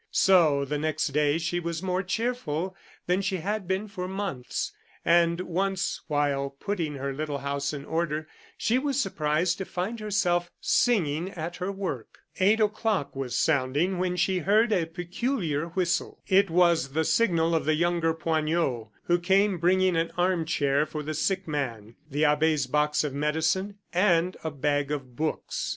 So the next day she was more cheerful than she had been for months, and once, while putting her little house in order, she was surprised to find herself singing at her work. Eight o'clock was sounding when she heard a peculiar whistle. It was the signal of the younger Poignot, who came bringing an arm chair for the sick man, the abbe's box of medicine, and a bag of books.